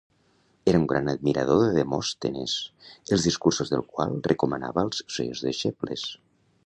Era un gran admirador de Demòstenes, els discursos del qual recomanava als seus deixebles.